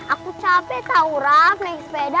aku capek tau rafa naik sepeda